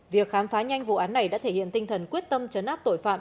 việc khám phá nhanh vụ án này đã thể hiện tinh thần quyết tâm chấn áp tội phạm